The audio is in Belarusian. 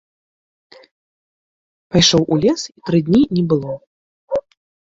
Пайшоў у лес, і тры дні не было.